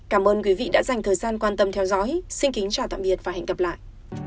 cảm ơn quý vị đã dành thời gian quan tâm theo dõi xin kính chào tạm biệt và hẹn gặp lại